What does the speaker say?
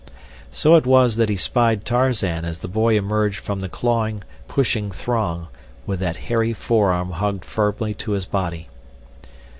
So it was that he spied Tarzan as the boy emerged from the clawing, pushing throng with that hairy forearm hugged firmly to his body.